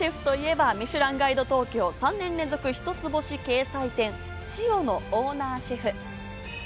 鳥羽シェフといえばミシュランガイド東京３年連続一つ星掲載店ｓｉｏのオーナーシェフ。